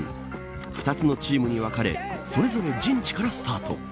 ２つのチームに分かれそれぞれ陣地からスタート。